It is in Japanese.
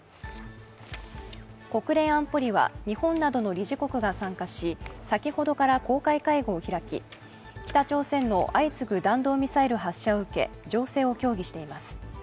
国連安保理は日本などの理事国が参加し先ほどから公開会合を開き北朝鮮の相次ぐ弾道ミサイル発射を受け情勢を協議しています。